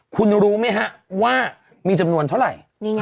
คุณรู้ไหมฮะว่ามีจำนวนเท่าไหร่